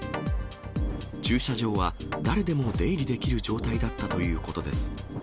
駐車場は誰でも出入りできる状態だったということです。